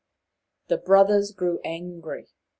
The brothers grew angry.